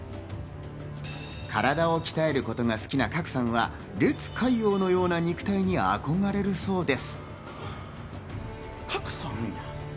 体を鍛えることが好きな賀来さんは烈海王のような肉体に憧れるそうです。